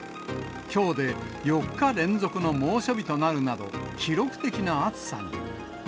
きょうで４日連続の猛暑日となるなど、記録的な暑さに。